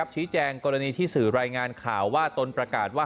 ชี้แจงกรณีที่สื่อรายงานข่าวว่าตนประกาศว่า